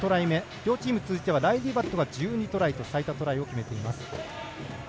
両チーム通じてはライリー・バットが１２トライと最多トライを決めています。